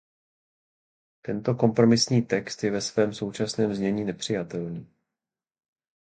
Tento kompromisní text je ve svém současném znění nepřijatelný.